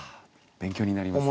勉強になります。